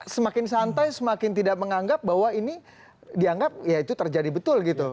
semakin santai semakin tidak menganggap bahwa ini dianggap ya itu terjadi betul gitu